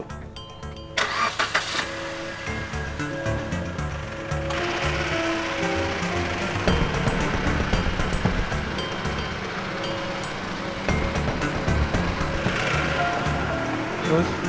tidak ada yang bisa dihentikan